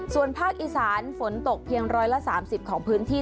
ส่วนภาคอีสานฝนตกเพียง๑๓๐ของพื้นที่